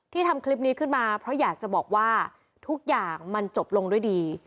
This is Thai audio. ทำคลิปนี้ขึ้นมาเพราะอยากจะบอกว่าทุกอย่างมันจบลงด้วยดี